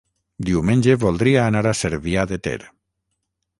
Diumenge voldria anar a Cervià de Ter.